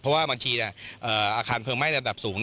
เพราะว่าบางทีอาคารเพลิงไหม้ระดับสูง